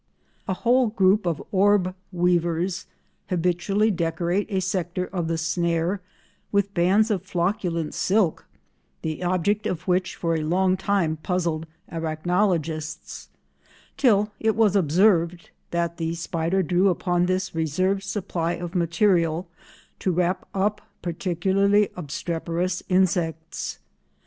A whole group of orb weavers habitually decorate a sector of the snare with bands of flocculent silk, the object of which for a long time puzzled arachnologists, till it was observed that the spider drew upon this reserve supply of material to wrap up particularly obstreperous insects.